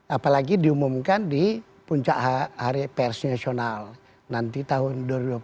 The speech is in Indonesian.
apalagi diumumkan di puncak hari pers nasional nanti tahun dua ribu dua puluh empat